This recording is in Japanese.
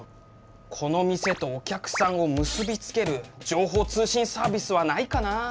この店とお客さんを結びつける情報通信サービスはないかなあ。